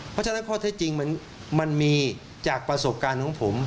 เพราะฉะนั้นข้อเท็จจริงมันมีจากประสบการณ์ของผม